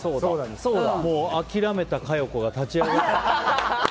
諦めた佳代子が立ち上がったね。